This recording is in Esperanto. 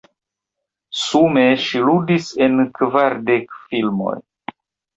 Sume ŝi ludis en kvardek filmoj.